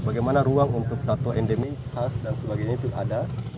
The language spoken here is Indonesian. bagaimana ruang untuk satwa endemi khas dan sebagainya itu ada